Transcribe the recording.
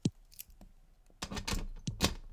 طالب راځي او دسترخوان د ملا لپاره غوړوي.